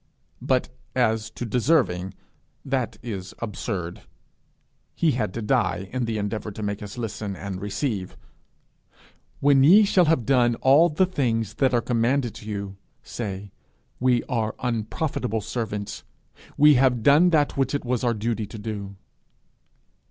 But as to deserving, that is absurd: he had to die in the endeavour to make us listen and receive. 'When ye shall have done all the things that are commanded you, say, We are unprofitable servants; we have done that which it was our duty to do.'